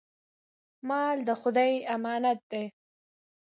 مال د خدای امانت دی.